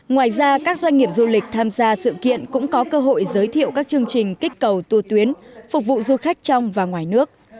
ngoài ra các doanh nghiệp du lịch tham gia sự kiện cũng có cơ hội giới thiệu các chương trình kích cầu tu tuyến phục vụ du khách trong và ngoài nước